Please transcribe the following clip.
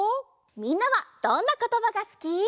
みんなはどんなことばがすき？